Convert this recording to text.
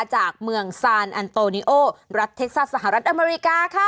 จากเมืองซานอันโตนิโอรัฐเท็กซัสสหรัฐอเมริกาค่ะ